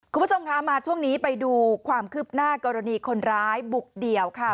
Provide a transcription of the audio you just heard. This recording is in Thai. คุณผู้ชมคะมาช่วงนี้ไปดูความคืบหน้ากรณีคนร้ายบุกเดี่ยวค่ะ